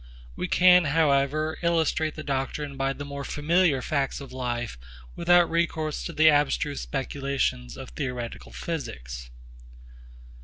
We can however illustrate the doctrine by the more familiar facts of life without recourse to the abstruse speculations of theoretical physics.